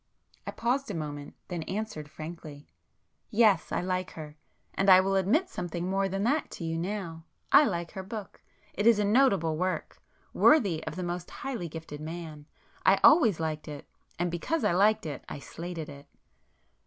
I paused a moment, then answered frankly, "Yes. I like her. And I will admit something more than that to you now. I like her book. It is a noble work,—worthy of the most highly gifted man. I always liked it—and because I liked it, I slated it."